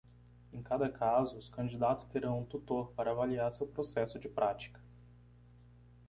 Em cada caso, os candidatos terão um tutor para avaliar seu processo de prática.